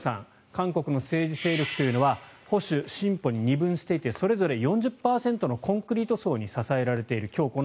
韓国の政治勢力というのは保守、進歩に二分していてそれぞれ４０％のコンクリート層に支えられている。